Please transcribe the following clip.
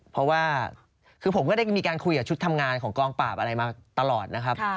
เพราะว่าคือผมก็ได้มีการคุยกับชุดทำงานของกองปราบอะไรมาตลอดนะครับ